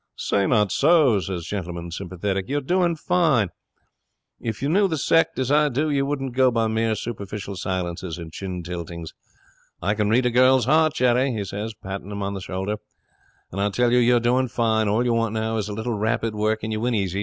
"Say not so," says Gentleman, sympathetic. "You're doing fine. If you knew the sect as I do you wouldn't go by mere superficial silences and chin tiltings. I can read a girl's heart, Jerry," he says, patting him on the shoulder, "and I tell you you're doing fine. All you want now is a little rapid work, and you win easy.